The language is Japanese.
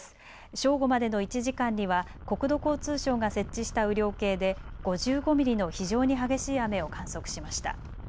正午までの１時間には国土交通省が設置した雨量計で５５ミリの非常に激しい雨を観測しました。